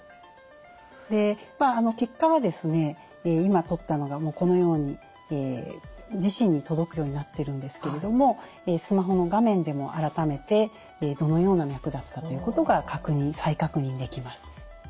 結果は今とったのがこのように自身に届くようになってるんですけれどもスマホの画面でも改めてどのような脈だったということが再確認できます。